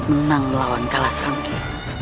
menang melawan kalas rangki